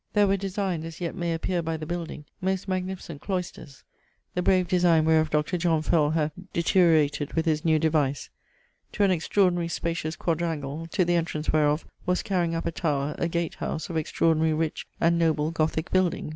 There were designed (as yet may appeare by the building) most magnificent cloysters (the brave designe wherof Dr. John Fell hath deteriorated with his new device) to an extraordinary spacious quadrangle, to the entrance whereof was carrying up a tower (a gate house) of extraordinary rich and noble Gothique building.